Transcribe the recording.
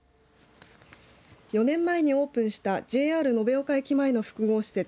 ４年前にオープンしたＪＲ延岡駅前の複合施設